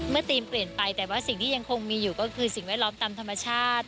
ทีมเปลี่ยนไปแต่ว่าสิ่งที่ยังคงมีอยู่ก็คือสิ่งแวดล้อมตามธรรมชาติ